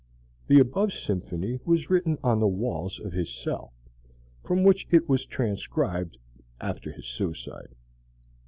The above symphony was written on the walls of his cell, from which it was transcribed after his suicide.